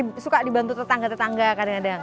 mereka suka dibantu tetangga tetangga kadang kadang